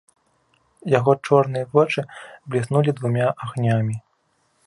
Яго чорныя вочы бліснулі двума агнямі.